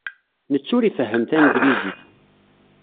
Netta ur ifehhem tanglizit.